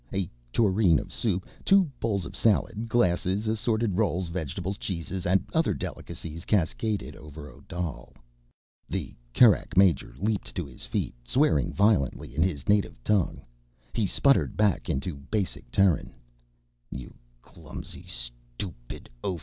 A tureen of soup, two bowls of salad, glasses, assorted rolls, vegetables, cheeses and other delicacies cascaded over Odal. The Kerak major leaped to his feet, swearing violently in his native tongue. He sputtered back into basic Terran: "You clumsy, stupid oaf!